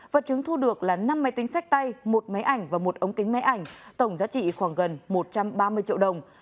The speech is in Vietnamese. vật chứng thu được là năm máy tính sách tay một máy ảnh và một ống kính máy ảnh tổng giá trị khoảng gần một trăm ba mươi triệu đồng